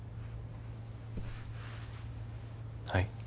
はい？